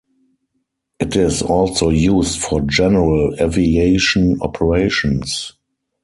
It is also used for General Aviation operations.